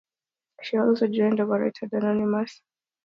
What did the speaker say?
She also joined Overeaters Anonymous.